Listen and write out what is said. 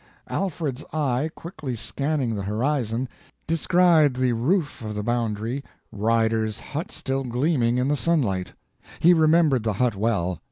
Alfred's eye, quickly scanning the horizon, descried the roof of the boundary rider's hut still gleaming in the sunlight. He remembered the hut well.